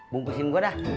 bungkusin gua dah